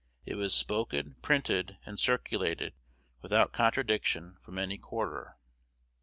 It was spoken, printed, and circulated without contradiction from any quarter.